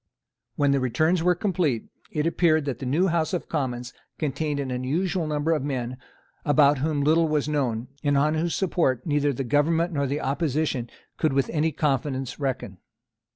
When the returns were complete, it appeared that the new House of Commons contained an unusual number of men about whom little was known, and on whose support neither the government nor the opposition could with any confidence reckon.